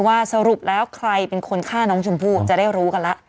สรุปแล้วใครเป็นคนฆ่าน้องชมพู่จะได้รู้กันแล้ว